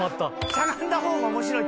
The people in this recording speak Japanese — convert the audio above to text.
「しゃがんだ方が面白い」